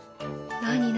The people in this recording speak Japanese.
何？